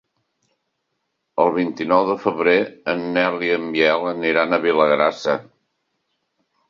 El vint-i-nou de febrer en Nel i en Biel aniran a Vilagrassa.